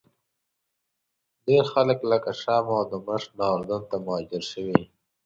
ډېر خلک له شام او دمشق نه اردن ته مهاجر شوي.